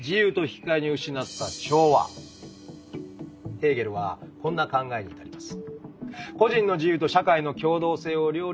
ヘーゲルはこんな考えに至ります。